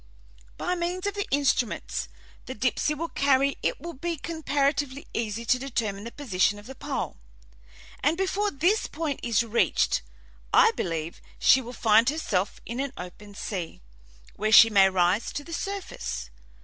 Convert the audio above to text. "By means of the instruments the Dipsey will carry it will be comparatively easy to determine the position of the pole, and before this point is reached I believe she will find herself in an open sea, where she may rise to the surface.